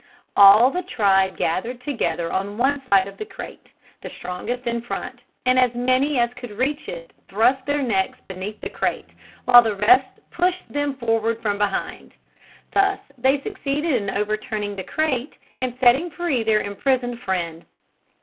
All the tribe gathered together on one side of the crate, the strongest in front; and as many as could reach it thrust their necks beneath the crate, while the rest pushed them forward from behind. Thus they succeeded in overturning the crate, and setting free their imprisoned friend.